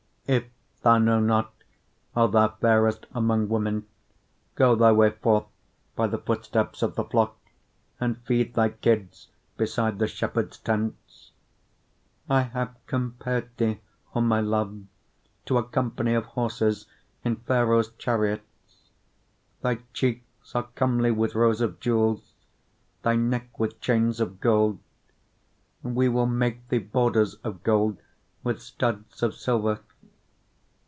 1:8 If thou know not, O thou fairest among women, go thy way forth by the footsteps of the flock, and feed thy kids beside the shepherds' tents. 1:9 I have compared thee, O my love, to a company of horses in Pharaoh's chariots. 1:10 Thy cheeks are comely with rows of jewels, thy neck with chains of gold. 1:11 We will make thee borders of gold with studs of silver.